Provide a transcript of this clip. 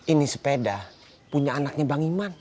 ini sepeda punya anaknya bang iman